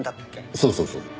そうそうそう。